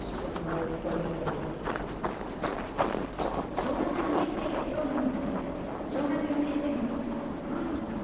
小学２年生で競技を始め、小学４年生のとき、日本一に。